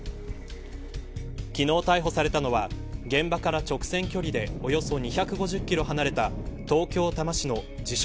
昨日、逮捕されたのは現場から直線距離でおよそ２５０キロ離れた東京、多摩市の自称